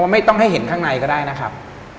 ไม่ต้องให้เห็นข้างในก็ได้นะครับ